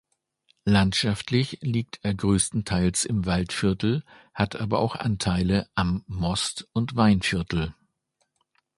Landschaftlich liegt er größtenteils im Waldviertel, hat aber auch Anteile am Most- und Weinviertel.